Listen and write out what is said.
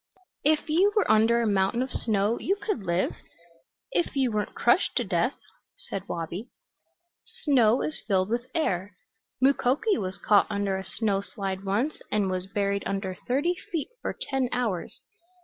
"If you were under a mountain of snow you could live, if you weren't crushed to death," said Wabi. "Snow is filled with air. Mukoki was caught under a snow slide once and was buried under thirty feet for ten hours.